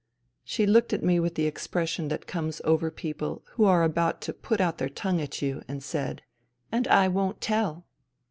She looked at me with the expression that comes over people who are about to put out their tongue at you, and said: " And I won't tell."